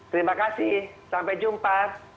terima kasih sampai jumpa